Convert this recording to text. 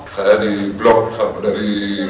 saya di blok dari